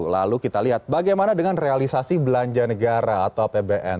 lalu kita lihat bagaimana dengan realisasi belanja negara atau apbn